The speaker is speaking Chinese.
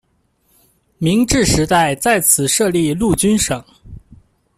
明治时代在此设立陆军省。